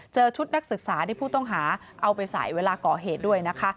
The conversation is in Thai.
ชุดนักศึกษาที่ผู้ต้องหาเอาไปใส่เวลาก่อเหตุด้วยนะคะ